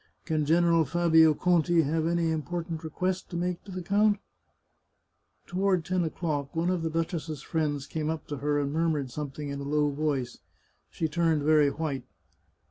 Can General Fabio Conti have any important request to make to the count ?" Toward ten o'clock one of the duchess's friends came up to her and murmured something in a low voice. She turned very white.